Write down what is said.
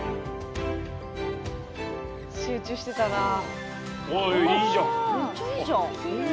集中してたなあ。